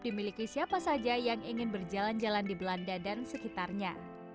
dimiliki siapa saja yang ingin berjalan jalan di belanda dan sekitarnya